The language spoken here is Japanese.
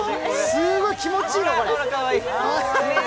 すごい気持ちいいの、これ。